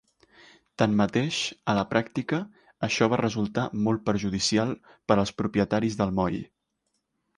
Tanmateix, a la pràctica, això va resultar molt perjudicial per als propietaris del moll.